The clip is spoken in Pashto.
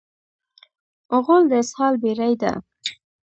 غول د اسهال بېړۍ ده.